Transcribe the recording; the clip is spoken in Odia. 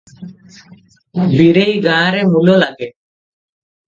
ବୀରେଇ ଗାଁରେ ମୂଲ ଲାଗେ ।